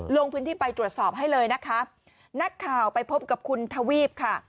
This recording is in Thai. ลงพื้นที่ไปตรวจสอบให้เลยนะคะนักข่าวไปพบกับคุณทวีปค่ะ